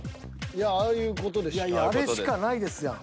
いやいやあれしかないですやん。